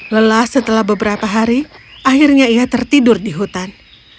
lelah setelah beberapa hari akhirnya ia tertidur di hutan